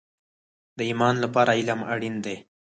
د ایمان لپاره علم اړین دی